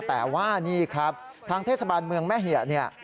แต่ว่านี่ครับทางเทศบาลเมืองแม่เหียเนี่ย